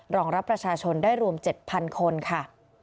รองรับประชาชนได้รวม๗๐๐คนค่ะ